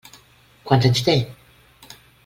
Quants anys té?